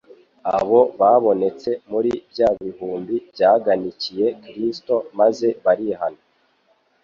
abo babonetse muri bya bihumbi byaganikiye Kristo maze barihana.